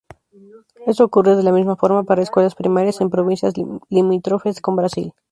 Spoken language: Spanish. Esto ocurre de la misma forma para escuelas primarias en provincias limítrofes con Brasil.